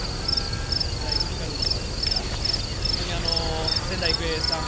だいぶ光るものがありますが本当に仙台育英さん